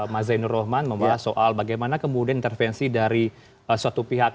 mas zainul rohman membahas soal bagaimana kemudian intervensi dari suatu pihak